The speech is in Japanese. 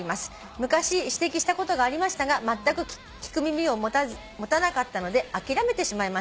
「昔指摘したことがありましたがまったく聞く耳を持たなかったので諦めてしまいました。